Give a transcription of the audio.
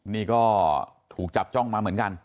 นี่ก็ถูกจับจ้องมาเหมือนกัน